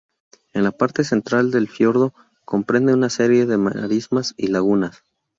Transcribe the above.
En la parte central del fiordo comprende una serie de marismas y lagunas.